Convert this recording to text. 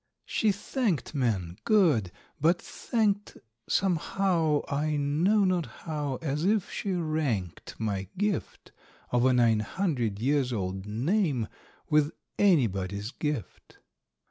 She thanked men good! but thanked Somehow I know not how as if she ranked My gift of a nine hundred years old name With anybody's gift.